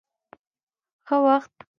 ښه وخت.